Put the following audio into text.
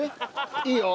いいよ。